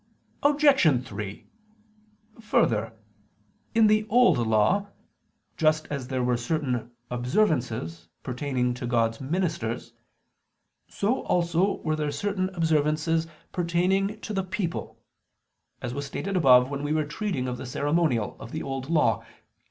Obj. 3: Further, in the Old Law, just as there were certain observances pertaining to God's ministers, so also were there certain observances pertaining to the people: as was stated above when we were treating of the ceremonial of the Old Law (Q.